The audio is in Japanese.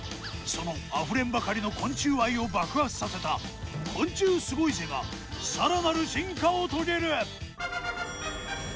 そのあふれんばかりの昆虫愛を爆発させた「昆虫すごいぜ！」がさらなる進化を遂げる。